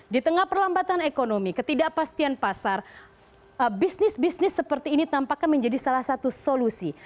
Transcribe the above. di tengah perlambatan ekonomi ketidakpastian pasar bisnis bisnis seperti ini tampaknya menjadi salah satu solusi